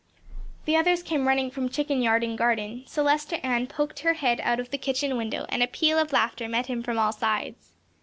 The others came running from chicken yard and garden; Celestia Ann poked her head out of the kitchen window, and a peal of laughter met him from all sides.